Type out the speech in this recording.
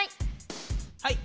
はい！